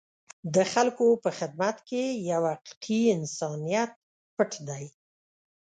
د خلکو په خدمت کې یو حقیقي انسانیت پټ دی.